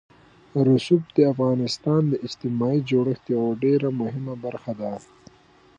رسوب د افغانستان د اجتماعي جوړښت یوه ډېره مهمه برخه ده.